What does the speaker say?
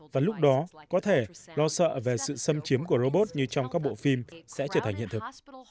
và lúc đó có thể lo sợ về sự xâm chiếm của robot như trong các bộ phim sẽ trở thành hiện thực